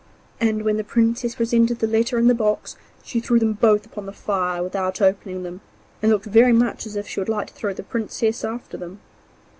And when the Princess presented the letter and the box she threw them both upon the fire without opening them, and looked very much as if she would like to throw the Princess after them.